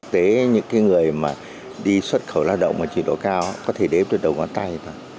thế những cái người mà đi xuất khẩu lao động mà trị độ cao có thể đếm từ đầu ngón tay thôi